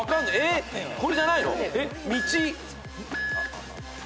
これじゃないの？